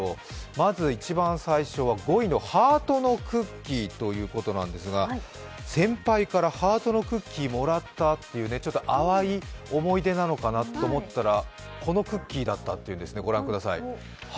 まず一番最初は５位のハートのクッキーということですが先輩からハートのクッキーもらったというちょっと淡い思い出なのかなと思ったらこのクッキーだったというんですね。